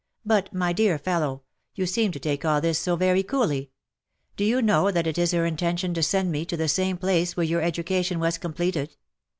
" But, my dear fellow! you seem to take all this so very coolly. Do you know that it is her intention to send me to the same place where your education was completed